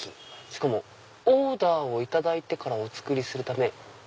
しかも「オーダーをいただいてからお作りするため」。